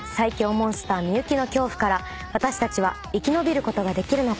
モンスター美雪の恐怖から私たちは生き延びることができるのか？